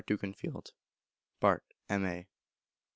Dukinfield, Bart, M.A.